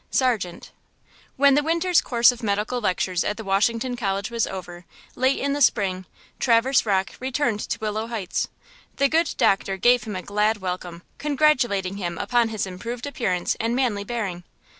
–SARGENT. WHEN the winter's course of medical lectures at the Washington College was over, late in the spring, Traverse Rocke returned to Willow Heights. The good doctor gave him a glad welcome, congratulating him upon his improved appearance and manly bearing.